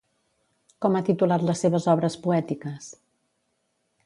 Com ha titulat les seves obres poètiques?